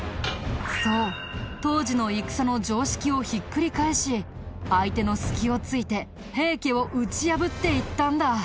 そう当時の戦の常識をひっくり返し相手の隙を突いて平家を打ち破っていったんだ。